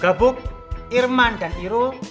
gabuk irman dan irul